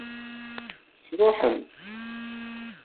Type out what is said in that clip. Sṛuḥen-tt?